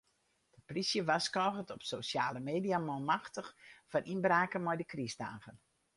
De plysje warskôget op sosjale media manmachtich foar ynbraken mei de krystdagen.